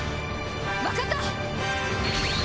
わかった！